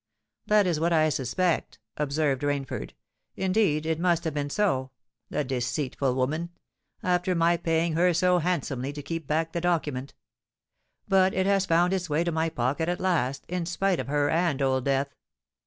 "That is what I suspect," observed Rainford. "Indeed, it must have been so. The deceitful woman!—after my paying her so handsomely, to keep back the document! But it has found its way to my pocket at last, in spite of her and Old Death.